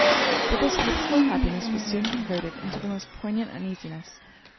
But this hoped for happiness was soon converted into the most poignant uneasiness.